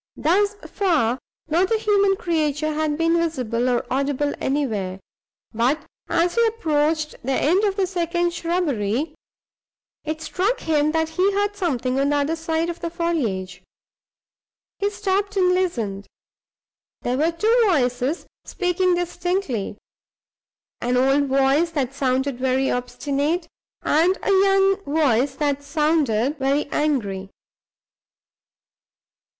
Thus far, not a human creature had been visible or audible anywhere; but, as he approached the end of the second shrubbery, it struck him that he heard something on the other side of the foliage. He stopped and listened. There were two voices speaking distinctly an old voice that sounded very obstinate, and a young voice that sounded very angry.